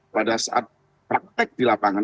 pada saat praktek di lapangan